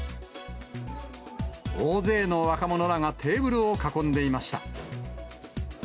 大勢の若者らがテーブルを囲んでいました。